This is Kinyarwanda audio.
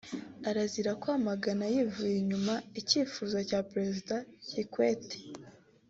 arazira kwamagana yivuye inyuma icyifuzo cya perezida Kikwete